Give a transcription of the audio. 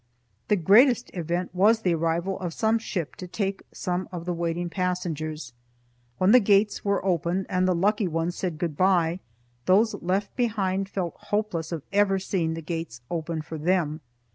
The greatest event was the arrival of some ship to take some of the waiting passengers. When the gates were opened and the lucky ones said good bye, those left behind felt hopeless of ever seeing the gates open for them.